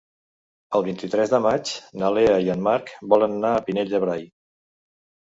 El vint-i-tres de maig na Lea i en Marc volen anar al Pinell de Brai.